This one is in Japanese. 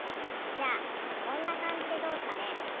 じゃあこんなかんじでどうっすかね。